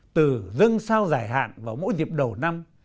từ dân sao giải hạn vào mỗi dịp đầu năm